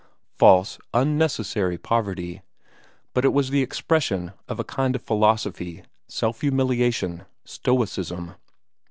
False, unnecessary poverty but it was the expression of a kind of philosophy, self humiliation, stoicism.